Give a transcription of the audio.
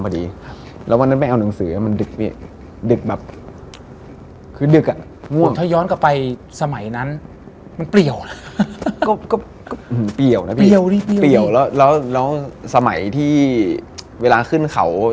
ดูตัวเลข